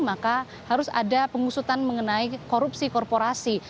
maka harus ada pengusutan mengenai korupsi korporasi